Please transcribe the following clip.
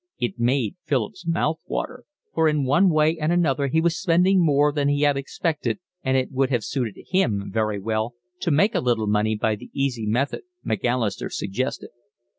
It made Philip's mouth water, for in one way and another he was spending more than he had expected, and it would have suited him very well to make a little money by the easy method Macalister suggested.